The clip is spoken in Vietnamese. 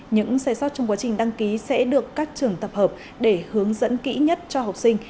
những sai sót trong quá trình đăng ký sẽ được các trường tập hợp để hướng dẫn kỹ nhất cho học sinh